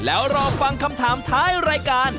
แล้วรอฟังคำถามท้ายรายการ